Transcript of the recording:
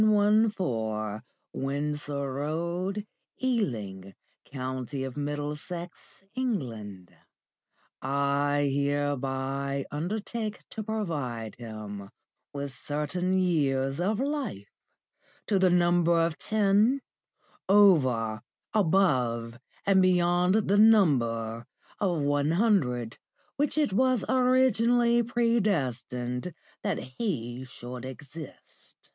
114, Windsor Road, Ealing, County of Middlesex, England, I hereby undertake to provide him with certain years of life, to the number of ten, over, above, and beyond the number (of one hundred) which it was originally predestined that he should exist.